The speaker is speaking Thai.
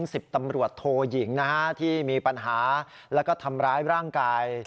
สิบตำรวจโทยิงนะฮะที่มีปัญหาแล้วก็ทำร้ายร่างกาย